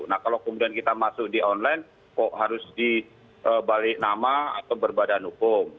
nah kalau kemudian kita masuk di online kok harus dibalik nama atau berbadan hukum